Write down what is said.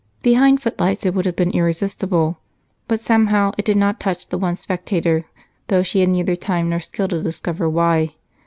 Behind footlights it would have been irresistible, but somehow it did not touch the one spectator, though she had neither time nor skill to discover why.